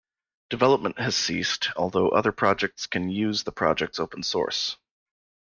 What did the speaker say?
Development has ceased, although other projects can use the projects open source.